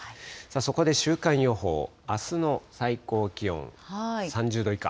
そこで週間予報、あすの最高気温３０度以下。